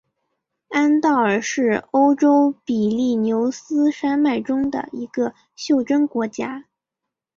安道尔是欧洲比利牛斯山脉中的一个袖珍国家。